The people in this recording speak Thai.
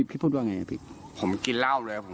พี่พูดว่าไงครับครับพี่